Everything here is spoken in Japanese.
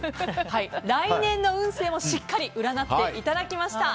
来年の運勢もしっかり占っていただきました。